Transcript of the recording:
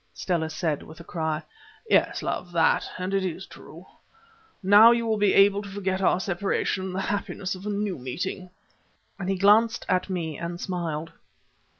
Stella said, with a cry. "Yes, love, that, and it is true. Now you will be able to forget our separation in the happiness of a new meeting," and he glanced at me and smiled.